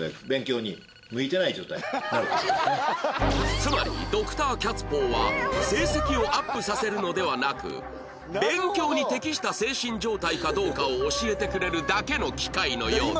つまり Ｄｒ． キャツポーは成績をアップさせるのではなく勉強に適した精神状態かどうかを教えてくれるだけの機械のようだ